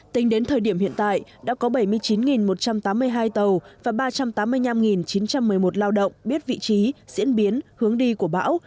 tính đến thời điểm hiện tại đã có bảy mươi chín một trăm tám mươi hai tàu và ba trăm tám mươi năm chín trăm một mươi một lao động biết vị trí diễn biến hướng đi của bão